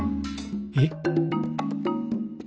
えっ？